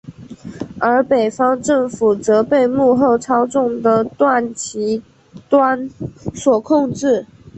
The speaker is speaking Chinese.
而北方政府则被幕后操纵的段祺瑞所控制。